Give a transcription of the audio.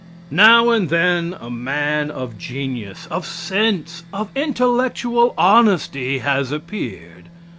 Now and then a man of genius, of sense, of intellectual honesty, has appeared.